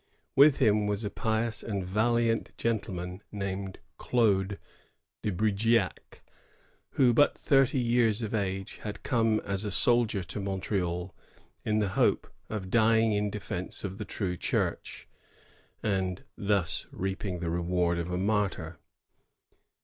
With him was a pious and valiant gentleman named Claude de Brigeac, who, though but thirty years of age, had come as a soldier to Montreal, in the hope of dying in defence of the true Church, and thus reaping the reward of a martyr.